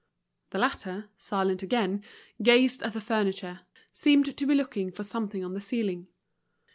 The latter, silent again, gazed at the furniture, seemed to be looking for something on the ceiling.